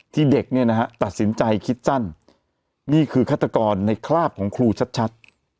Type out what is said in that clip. เด็กเนี่ยนะฮะตัดสินใจคิดสั้นนี่คือฆาตกรในคราบของครูชัด